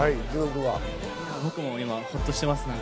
僕も今ほっとしていますね。